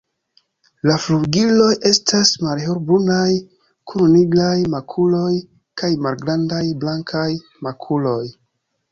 La flugiloj estas malhelbrunaj kun nigraj makuloj kaj malgrandaj blankaj makuloj.